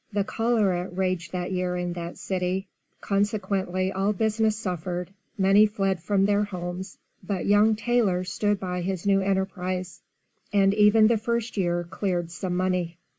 The cholera raged that year in that city; consequently all business suffered, many fled from their homes but young Taylor stood by his new enterprise, and even the first year cleared some money.